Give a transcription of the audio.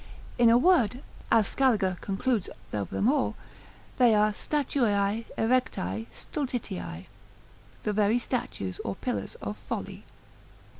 In a word, as Scaliger concludes of them all, they are Statuae erectae stultitiae, the very statutes or pillars of folly.